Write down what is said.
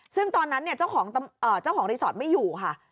ซึ่งตอนนั้นเนี่ยเจ้าของรีสอร์ทไม่อยู่ค่ะ